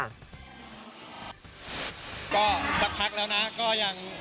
ก็สักพักแล้วนะก็ยัง๙๑๑๐๐๕๗